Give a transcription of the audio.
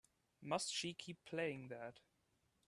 Must she keep playing that?